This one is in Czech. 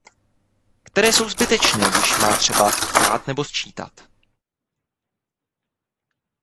Které jsou zbytečné, když má třeba tkát nebo sčítat.